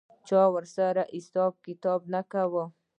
چا ورسره حساب کتاب نه کاوه.